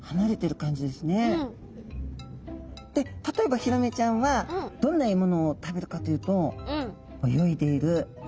で例えばヒラメちゃんはどんな獲物を食べるかというと泳いでいるイカちゃん。